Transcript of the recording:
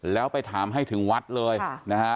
แล้วไปถามให้ถึงวัดเลยนะฮะ